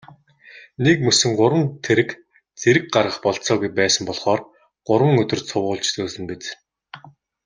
Нэгмөсөн гурван тэрэг зэрэг гаргах бололцоогүй байсан болохоор гурван өдөр цувуулж зөөсөн биз.